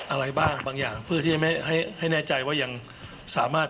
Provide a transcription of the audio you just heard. อะไรบ้างบางอย่างเพื่อที่จะไม่ให้แน่ใจว่ายังสามารถ